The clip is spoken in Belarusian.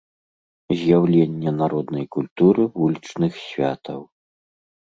З'яўленне народнай культуры вулічных святаў.